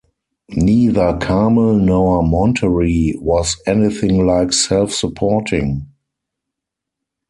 Neither Carmel nor Monterey was anything like self-supporting.